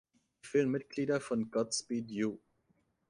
Die vielen Mitglieder von Godspeed You!